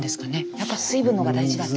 やっぱ水分の方が大事だって。